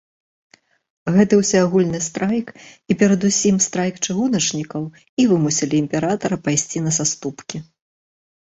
Гэты ўсеагульны страйк і, перадусім, страйк чыгуначнікаў, і вымусілі імператара пайсці на саступкі.